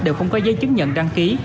đều không có dây chứng nhận đăng ký